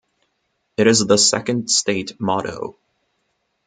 It is the second state motto.